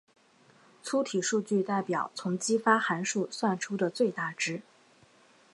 粗体数据代表从激发函数算出的最大值。